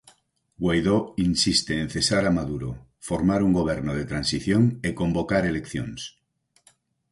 Guaidó insiste en cesar a Maduro, formar un goberno de transición e convocar eleccións.